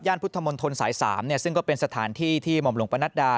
พุทธมนตรสาย๓ซึ่งก็เป็นสถานที่ที่หม่อมหลวงประนัดดา